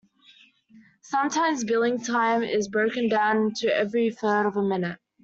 Sometimes billing time is broken down to every third of a minute.